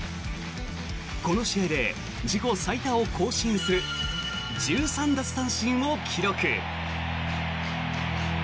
この試合で自己最多を更新する１３奪三振を記録。